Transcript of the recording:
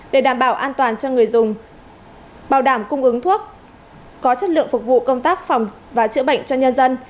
để đảm bảo an toàn cho người dùng bảo đảm cung ứng thuốc có chất lượng phục vụ công tác phòng và chữa bệnh cho nhân dân